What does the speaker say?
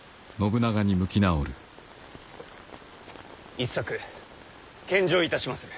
一策献上いたしまする。